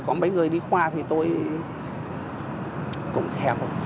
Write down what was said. có mấy người đi qua thì tôi cũng thèm